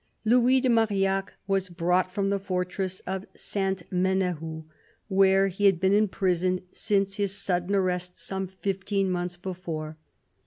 Louis de Marillac was brought from the fortress of Ste. Menehould, where he had been imprisoned since his sudden arrest some fifteen months before.